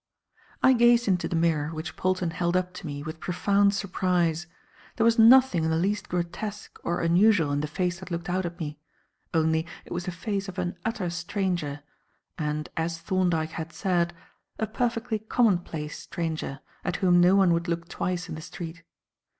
I gazed into the mirror which Polton held up to me with profound surprise. There was nothing in the least grotesque or unusual in the face that looked out at me, only it was the face of an utter stranger; and, as Thorndyke had said, a perfectly common place stranger, at whom no one would look twice in the street.